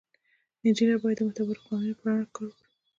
انجینر باید د معتبرو قوانینو په رڼا کې کار وکړي.